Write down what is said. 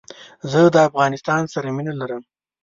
زه دافغانستان سره مينه لرم